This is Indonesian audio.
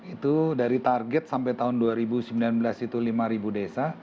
itu dari target sampai tahun dua ribu sembilan belas itu lima desa